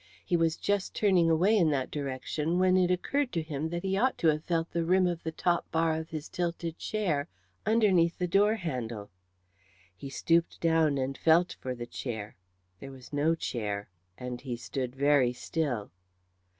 He was just turning away in that direction, when it occurred to him that he ought to have felt the rim of the top bar of his tilted chair underneath the door handle. He stooped down and felt for the chair; there was no chair, and he stood very still.